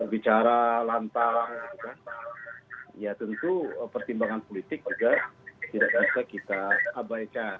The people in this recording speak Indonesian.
bicara lantang ya tentu pertimbangan politik juga tidak bisa kita abaikan